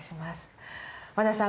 和田さん